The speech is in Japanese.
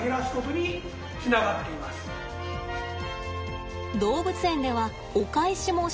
動物園ではお返しもしています。